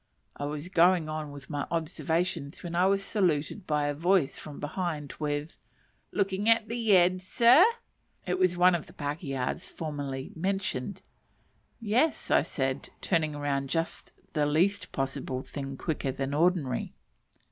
I was going on with my observations when I was saluted by a voice from behind with, "Looking at the eds, sir?" It was one of the pakehas formerly mentioned. "Yes," said I, turning round just the least possible thing quicker than ordinary.